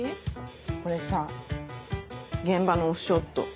これさ現場のオフショット。